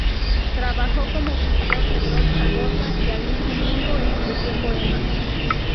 Trabajó como pintor de brocha gorda y, al mismo tiempo, escribió poemas.